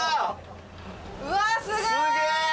うわあすごい！